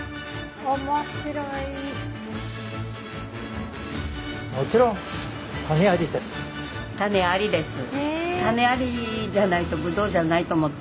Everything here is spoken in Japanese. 面白い。